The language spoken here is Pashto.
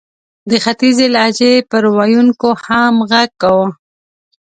د ختیځې لهجې پر ویونکو هم ږغ کاوه.